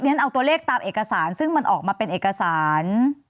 ฉันเอาตัวเลขตามเอกสารซึ่งมันออกมาเป็นเอกสาร